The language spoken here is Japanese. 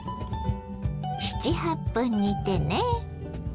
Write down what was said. ７８分煮てね。